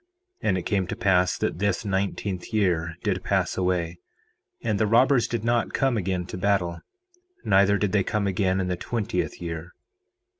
And it came to pass that this nineteenth year did pass away, and the robbers did not come again to battle; neither did they come again in the twentieth year.